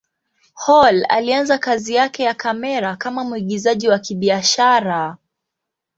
Hall alianza kazi yake ya kamera kama mwigizaji wa kibiashara.